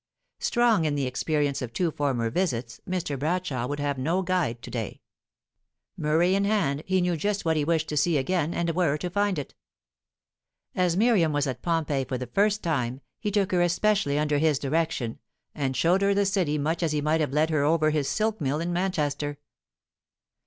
Strong in the experience of two former visits, Mr. Bradshaw would have no guide to day. Murray in hand, he knew just what he wished to see again, and where to find it. As Miriam was at Pompeii for the first time, he took her especially under his direction, and showed her the city much as he might have led her over his silk mill in Manchester.